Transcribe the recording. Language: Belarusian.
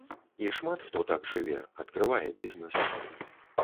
І шмат хто так жыве, адкрывае бізнэс.